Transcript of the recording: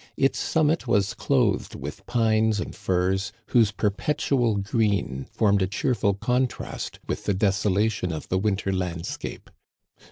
Its summit was clothed with pines and firs, whose per petual green formed a cheerful contrast with the deso lation of the winter landscape.